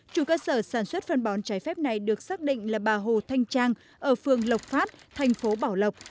chủ cơ sở sản xuất phân bón trái phép này được xác định là bà hồ thanh trang ở phương lộc phát thành phố bảo lộc